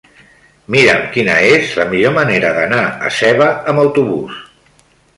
Mira'm quina és la millor manera d'anar a Seva amb autobús.